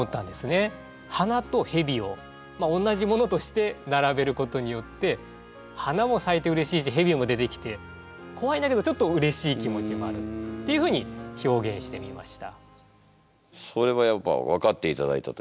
「花」と「蛇」をまあおんなじものとして並べることによって花も咲いてうれしいし蛇も出てきて怖いんだけどちょっとうれしい気持ちもあるっていうふうに表現してみました。